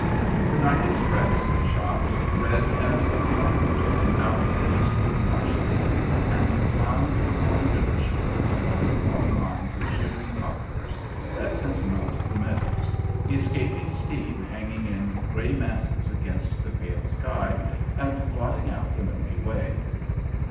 The night express shot, red as a rocket, from out the eastward marsh lands and wound along the river shore under the long lines of shivering poplars that sentinelled the meadows, the escaping steam hanging in grey masses against the pale sky and blotting out the Milky Way.